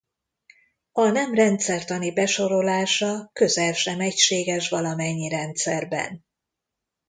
A nem rendszertani besorolása közel sem egységes valamennyi rendszerben.